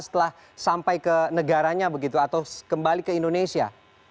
setelah sampai ke negaranya begitu atau kembali ke indonesia